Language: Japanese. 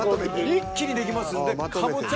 一気にできますんでカボチャ